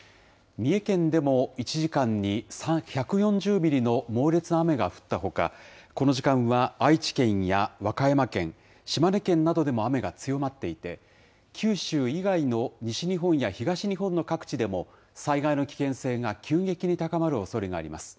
三重県でも１時間に１４０ミリの猛烈な雨が降ったほか、この時間は愛知県や和歌山県、島根県などでも雨が強まっていて、九州以外の西日本や東日本の各地でも、災害の危険性が急激に高まるおそれがあります。